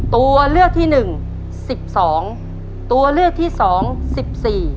ตัวเลือดที่๓ม้าลายกับนกแก้วมาคอ